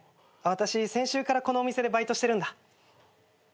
私先週からこのお店でバイトしてるんだ。